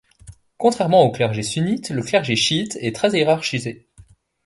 Contrairement au clergé sunnite, le clergé chiite est très hiérarchisé.